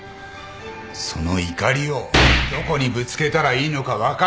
その怒りをどこにぶつけたらいいのか分からないんじゃないのか！